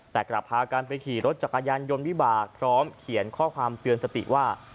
แต่กลับพากันไปขี่รถจักรยานยนต์วิบากพร้อมเขียนข้อความเตือนสติว่า